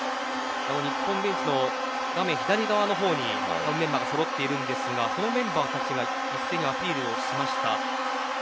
日本ベンチの画面左側の方にメンバーがそろっていますがこのメンバーたちが一斉にアピールをしました。